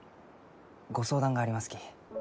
ご相談がありますき。